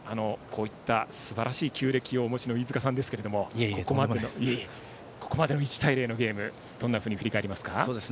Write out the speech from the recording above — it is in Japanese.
こういったすばらしい経歴をお持ちの飯塚さんですがここまでの１対０のゲームどんなふうに振り返りますか。